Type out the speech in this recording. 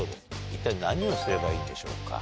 一体何をすればいいんでしょうか？